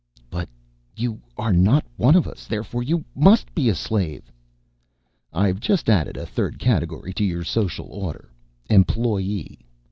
"But you are not one of us, therefore you must be a slave." "I've just added a third category to your social order. Employee.